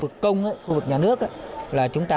công của một nhà nước